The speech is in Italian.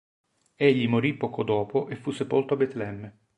Egli morì poco dopo e fu sepolto a Betlemme.